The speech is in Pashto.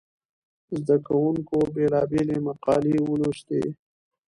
زده کوونکو بېلابېلې مقالې ولوستې.